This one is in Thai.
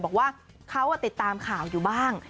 บอกว่าเขาติดตามข่าวอยู่บ้าง